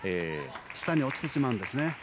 下に落ちてしまうんですね。